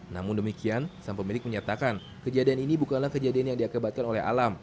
namun demikian sang pemilik menyatakan kejadian ini bukanlah kejadian yang diakibatkan oleh alam